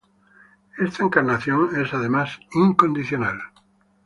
Esta encarnación es, además, incondicional.